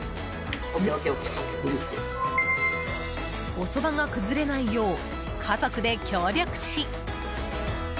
おそばが崩れないよう家族で協力し。